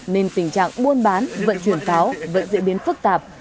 nên tình trạng buôn bán vận chuyển pháo vẫn diễn biến phức tạp